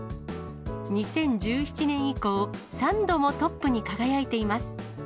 ２０１７年以降、３度もトップに輝いています。